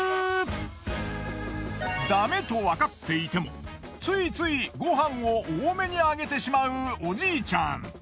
だめとわかっていてもついついご飯を多めにあげてしまうおじいちゃん。